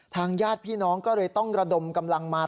ญาติพี่น้องก็เลยต้องระดมกำลังมา